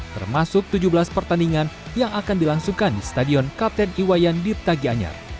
termasuk tujuh belas pertandingan yang akan dilangsungkan di stadion kapten iwayan dirta gianyar